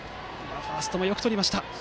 ファーストもよくとりました。